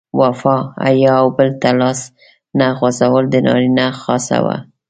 وفا، حیا او بل ته لاس نه غځول د نارینه خاصه وه.